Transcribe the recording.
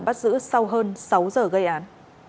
bắt giữ sau hơn sáu giờ gây án